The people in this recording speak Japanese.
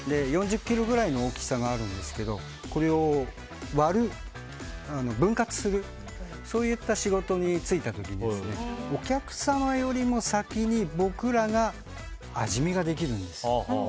４０ｋｇくらいの大きさがあるんですがこれを割る、分割する仕事に就いた時にお客様よりも先に僕らが味見ができるんです。